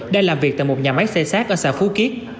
đang làm việc tại một nhà máy xe xác ở xa phú kiết